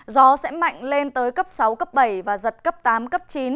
gió sẽ mạnh lên tới cấp sáu cấp bảy và giật cấp tám cấp chín